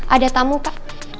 ada tamu pak